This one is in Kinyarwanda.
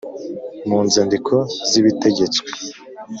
mu nzandiko z’ibitegetswe